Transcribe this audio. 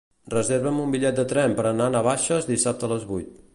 Reserva'm un bitllet de tren per anar a Navaixes dissabte a les vuit.